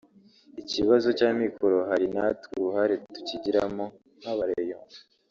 Ikibazo cy’amikoro hari natwe uruhare tukigiramo nk’aba-Rayons